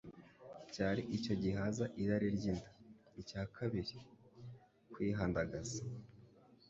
cyari icyo guhaza irari ry’inda; icya kabiri, kwihandagaza;